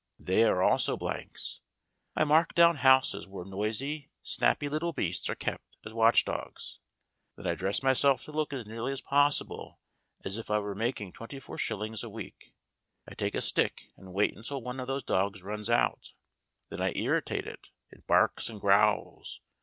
"They are also blanks. I mark down houses where noisy, snappy little beasts are kept as watch dogs; then I dress myself to look as nearly as possible as if I were making twenty four shillings a week. I take a stick and wait until one of those dogs runs out. Then I irritate it it barks and growls.